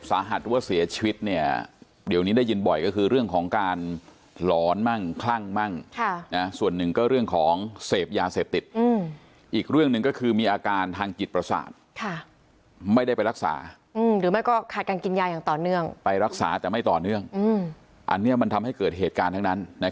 สาหัสว่าเสียชีวิตเดี๋ยวนี้ได้ยินบ่อยคือเรื่องของการร้อนตั้งตาม